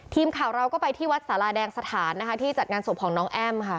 ทีมข่าวเราก็ไปที่วัดสาราแดงสถานที่จัดงานศพของน้องแอ้มค่ะ